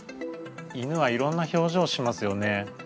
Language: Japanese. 犬はいろんな表情しますよね？